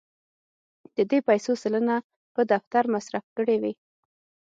د دې پیسو سلنه په دفتر مصرف کړې وې.